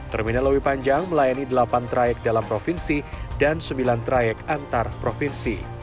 terminal lewi panjang melayani delapan trayek dalam provinsi dan sembilan trayek antar provinsi